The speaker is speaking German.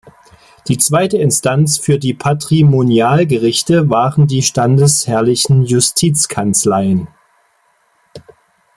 Die zweite Instanz für die Patrimonialgerichte waren die standesherrlichen Justizkanzleien.